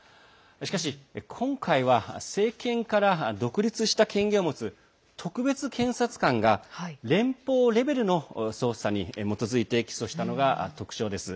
しかし、今回は政権から独立した権限を持つ特別検察官が連邦レベルの捜査に基づいて起訴したのが特徴です。